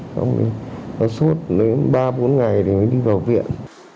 xong rồi suốt ba bốn ngày thì mới đi vào viện